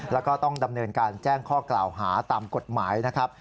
แล้วก็ต้องดำเนินการแจ้งข้อกล่าวหาตามกฎหมายนะครับ